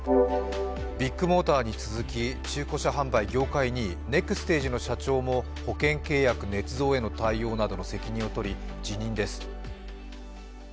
ビッグモーターに続き、中古車販売業界２位、ネクステージの社長も保険契約ねつ造への対応などの責任をとり辞任です。